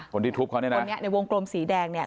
คนที่ทุบเขาเนี่ยนะคนนี้ในวงกลมสีแดงเนี่ย